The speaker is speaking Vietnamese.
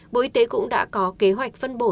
bộ y tế cũng đã có kế hoạch phân bổ